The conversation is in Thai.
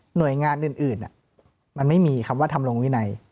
หน่วยงานอื่นมันไม่มีคำว่าทำลงวินัย